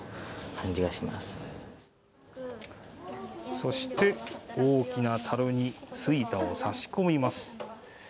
そして、大きなたるに巣板を差し込みます。